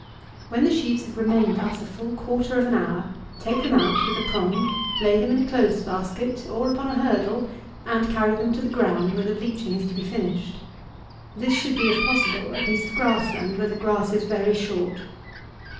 When the sheaves have remained thus a full quarter of an hour, take them out with a prong, lay them in a clothes basket, or upon a hurdle, and carry them to the ground where the bleaching is to be finished. This should be, if possible, a piece of grass land, where the grass is very short.